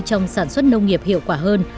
trong sản xuất nông nghiệp hiệu quả hơn